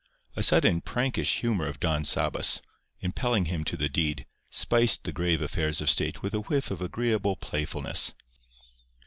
A sudden, prankish humour of Don Sabas, impelling him to the deed, spiced the grave affairs of state with a whiff of agreeable playfulness.